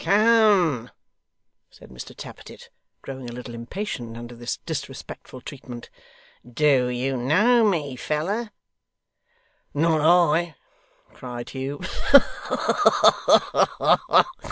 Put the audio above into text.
'Come!' said Mr Tappertit, growing a little impatient under this disrespectful treatment. 'Do you know me, feller?' 'Not I,' cried Hugh. 'Ha ha ha!